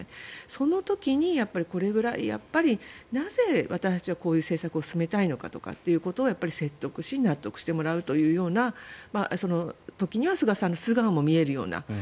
その時にこれぐらいなぜ私たちはこういう政策を進めたいのかということを説得し納得してもらうというような時には菅さんの素顔も見えるような。